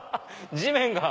地面が。